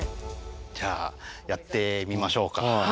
じゃあやってみましょうか。